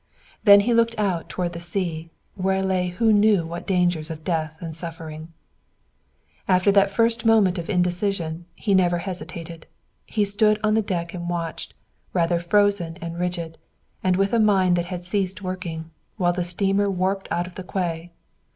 Then he looked out toward the sea, where lay who knew what dangers of death and suffering. After that first moment of indecision he never hesitated. He stood on the deck and watched, rather frozen and rigid, and with a mind that had ceased working, while the steamer warped out from the quay.